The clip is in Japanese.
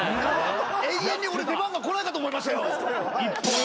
永遠に俺出番が来ないかと思いましたよ。